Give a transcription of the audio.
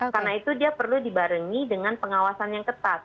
karena itu dia perlu dibarengi dengan pengawasan yang ketat